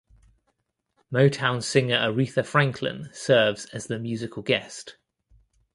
Motown singer Aretha Franklin serves as the musical guest.